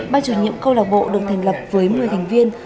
ba chủ nhiệm câu lạc bộ được thành lập với một mươi thành viên